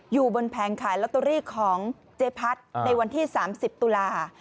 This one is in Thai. อยู่บนแผงขายลอตเตอรี่ของเจ๊พัดในวันที่๓๐ตุลา